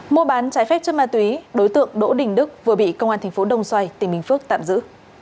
mua bán trái phép chất ma túy đối tượng đỗ đình đức vừa bị công an thành phố đồng xoài tỉnh bình phước tạm giữ